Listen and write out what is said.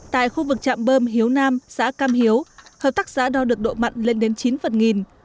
tại khu vực chạm bơm hiếu nam xã cam hiếu hợp tác xã đo được độ mặn lên đến chín phần nghìn